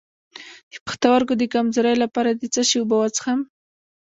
د پښتورګو د کمزوری لپاره د څه شي اوبه وڅښم؟